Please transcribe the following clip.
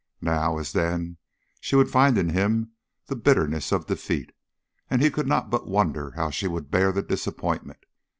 Now, as then, she would find him in the bitterness of defeat, and he could not but wonder how she would bear the disappointment.